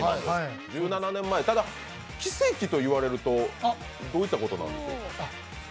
ただ、奇跡と言われると、どういったことなんでしょうか？